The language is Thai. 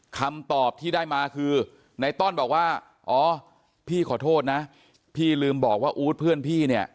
คำตอบที่ได้มาคือในต้อนบอกว่าอ๋อพี่ขอโทษนะพี่ลืมบอกว่าอู๊ดเพื่อนพี่เนี่ย